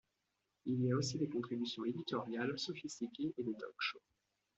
Il y a aussi des contributions éditoriales sophistiquées et des talk-shows.